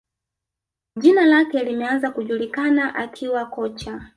Jina lake limeanza kujulikana akiwa kocha